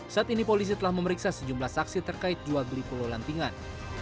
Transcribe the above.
saat ini polisi telah memeriksa sejumlah saksi terkait jual beli pulau lantingan